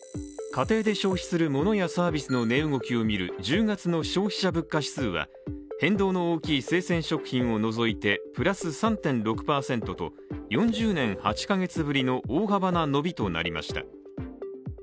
家庭で消費するものやサービスの値動きを見る１０月の消費者物価指数は変動の大きい生鮮食品を除いてプラス３．６％と４０年８か月ぶりの大幅な伸びとなりました。